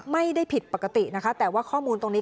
ไม่ได้ผิดปกตินะคะแต่ว่าข้อมูลตรงนี้